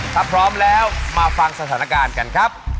ถ้าพร้อมแล้วมาฟังสถานการณ์กันครับ